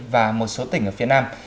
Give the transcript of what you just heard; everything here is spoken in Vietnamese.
và một số tỉnh ở phía nam